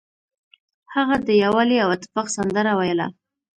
هغه د یووالي او اتفاق سندره ویله.